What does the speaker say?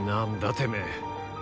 てめえ。